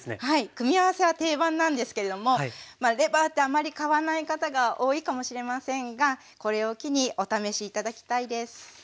組み合わせは定番なんですけれどもレバーってあんまり買わない方が多いかもしれませんがこれを機にお試し頂きたいです。